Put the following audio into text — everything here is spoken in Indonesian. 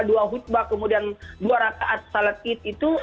dua khutbah kemudian dua rakaat salat id itu